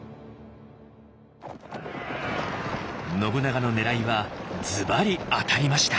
信長のねらいはずばり当たりました！